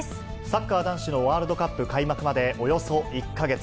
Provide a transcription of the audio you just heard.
サッカー男子のワールドカップ開幕までおよそ１か月。